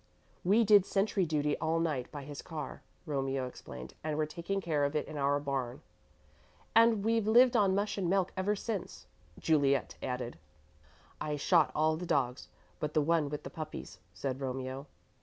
"We did sentry duty all night by his car," Romeo explained, "and we're taking care of it in our barn." "And we've lived on mush and milk ever since," Juliet added. "I shot all the dogs but the one with the puppies," said Romeo.